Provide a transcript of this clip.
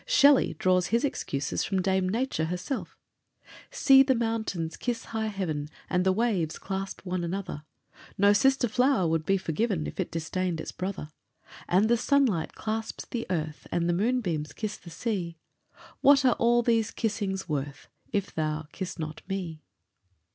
Shelley draws his excuses from Dame Nature herself: See the mountains kiss high heaven, And the waves clasp one another; No sister flower would be forgiven If it disdained its brother; And the sunlight clasps the earth, And the moonbeams kiss the sea; What are all these kissings worth If thou kiss not me?